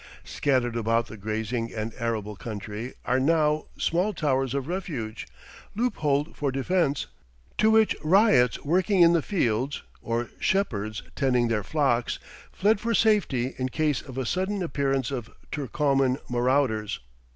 Scattered about the grazing and arable country are now small towers of refuge, loop holed for defense, to which ryots working in the fields, or shepherds tending their flocks, fled for safety in case of a sudden appearance of Turcoman marauders.